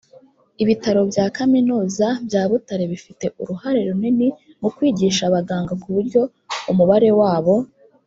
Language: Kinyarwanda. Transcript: ibitaro bya kaminuza bya butare bifite uruhare runini mu kwigisha abaganga ku buryo umubare wabo